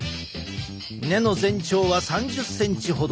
根の全長は３０ｃｍほど。